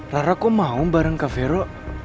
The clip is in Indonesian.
rara kok mau bareng kak vero